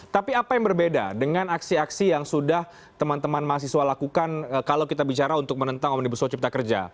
tapi apa yang berbeda dengan aksi aksi yang sudah teman teman mahasiswa lakukan kalau kita bicara untuk menentang omnibus law cipta kerja